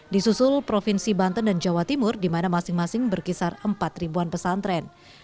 di susul provinsi banten dan jawa timur di mana masing masing berkisar empat pesantren